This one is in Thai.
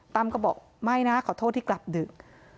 ก็บอกไม่นะขอโทษที่กลับดึก